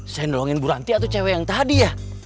saya nolongin bu ranti atau cewek yang tadi ya